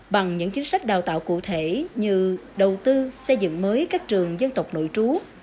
bằng những chính sách đào tạo cụ thể như đầu tư xây dựng mới các trường dân tộc nội trú